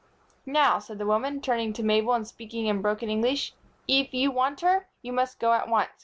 "Now," said the woman, turning to Mabel and speaking in broken English, "eef you want her, you must go at once.